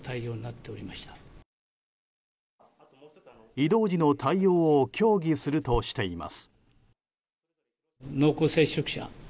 移動時の対応を協議するとしています。